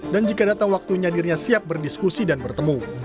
jika datang waktunya dirinya siap berdiskusi dan bertemu